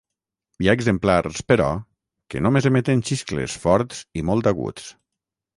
Hi ha exemplars, però, que només emeten xiscles forts i molt aguts.